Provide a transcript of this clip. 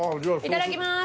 いただきまーす！